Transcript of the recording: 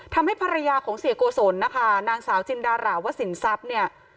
ทำให้ภรรยาของเสียโกศลนะคะนางสาวจินดาราวสินทรัพย์เนี่ย